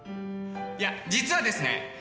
いや実はですね